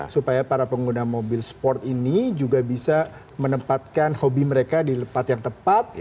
supaya para pengguna mobil sport ini juga bisa menempatkan hobi mereka di lepat yang tepat